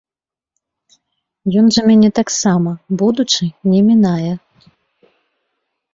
Ён жа мяне таксама, будучы, не мінае.